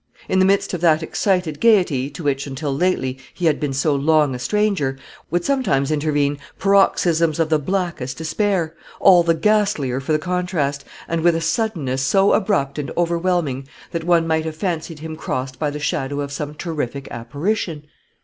In the midst of that excited gaiety, to which, until lately, he had been so long a stranger, would sometimes intervene paroxysms of the blackest despair, all the ghastlier for the contrast, and with a suddenness so abrupt and overwhelming, that one might have fancied him crossed by the shadow of some terrific apparition.